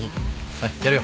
はいやるよ。